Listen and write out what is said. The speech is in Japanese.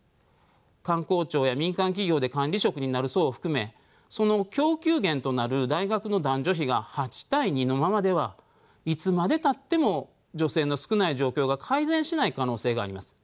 官公庁や民間企業で管理職になる層を含めその供給源となる大学の男女比が８対２のままではいつまでたっても女性の少ない状況が改善しない可能性があります。